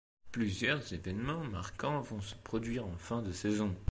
Plusieurs événements marquants vont se produire en fin de saison.